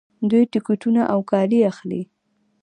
دوی ټکټونه او کالي اخلي.